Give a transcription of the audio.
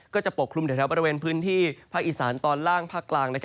ปกคลุมแถวบริเวณพื้นที่ภาคอีสานตอนล่างภาคกลาง